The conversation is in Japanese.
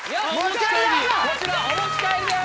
こちらお持ち帰りです！